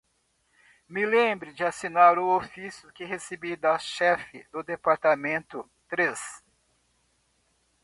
Me lembre de assinar o ofício que recebi da chefe do departamento três